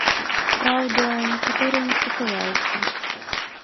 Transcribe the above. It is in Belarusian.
Праўда, некаторыя не спасылаюцца.